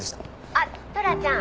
「あっトラちゃん」